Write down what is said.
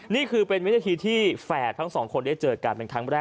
นี่คือเป็นวินาทีที่แฝดทั้งสองคนได้เจอกันเป็นครั้งแรก